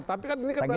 takut sayang ya